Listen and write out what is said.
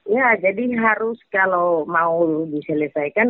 ya jadi harus kalau mau diselesaikan